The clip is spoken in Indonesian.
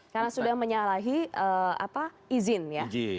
karena sudah menyalahi izin ya